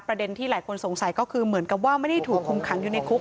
ที่หลายคนสงสัยก็คือเหมือนกับว่าไม่ได้ถูกคุมขังอยู่ในคุก